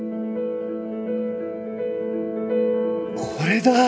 これだ！